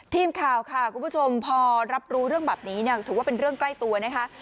ทีมข่าวค่ะคุณผู้ชมพอรับรู้เรื่องแบบนี้เนี่ยถือว่าเป็นเรื่องใกล้ตัวนะคะ